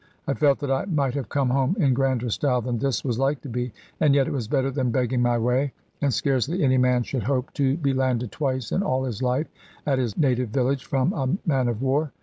I felt that I might have come home in grander style than this was like to be; and yet it was better than begging my way; and scarcely any man should hope to be landed twice in all his life, at his native village from a man of war.